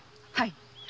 はい。